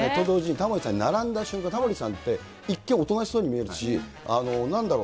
タモリさんに並んだ瞬間、タモリさんって一見、おとなしそうに見えるし、なんだろう、